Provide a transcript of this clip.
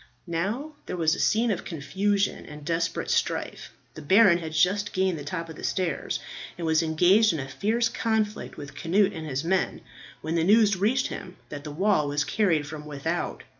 Now there was a scene of confusion and desperate strife. The baron had just gained the top of the stairs, and was engaged in a fierce conflict with Cnut and his men, when the news reached him that the wall was carried from without.